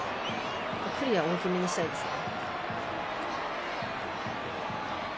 クリア大きめにしたいですね。